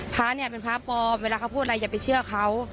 พระเนี่ยเป็นพระปลอมเวลาเขาพูดอะไรอย่าไปเชื่อเขา